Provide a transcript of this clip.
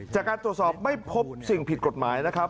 จากการตรวจสอบไม่พบสิ่งผิดกฎหมายนะครับ